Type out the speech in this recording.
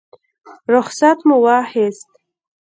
رخصت مو واخیست.